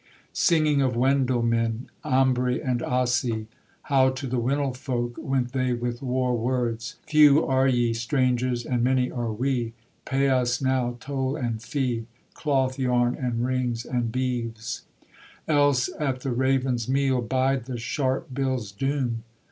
Singing of Wendel men, Ambri and Assi; How to the Winilfolk Went they with war words, 'Few are ye, strangers, And many are we: Pay us now toll and fee, Cloth yarn, and rings, and beeves: Else at the raven's meal Bide the sharp bill's doom.'